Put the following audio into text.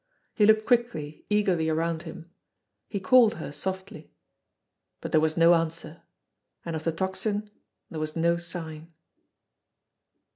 He looked quickly, eagerly around him. He called her softly. But there was no answer and of the Tocsin there was no sign.